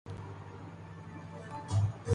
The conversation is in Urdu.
میں اسے بلاوں گا